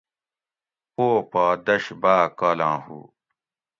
پو پا دش باۤ کالاں ہو